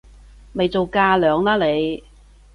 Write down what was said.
咪做架樑啦你！